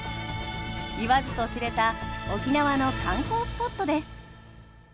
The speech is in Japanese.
言わずと知れた沖縄の観光スポットです。